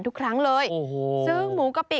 ทุกครั้งเลยซื้อหมูกะปิ